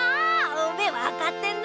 おめえわかってんな！